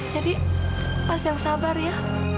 jadi mas jangan sabar ya